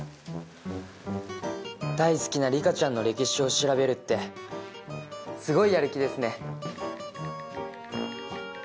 大好きなリカちゃんの歴史を調べるってすごいやる気ですね。